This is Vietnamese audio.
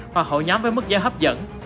hoặc hội nhóm với mức giao hấp dẫn